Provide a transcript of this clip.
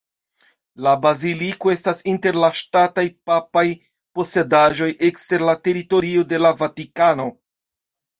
La baziliko estas inter la "ŝtataj papaj posedaĵoj ekster la teritorio de la Vatikano".